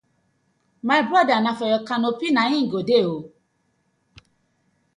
My broda na for yur canopy na it go dey ooo.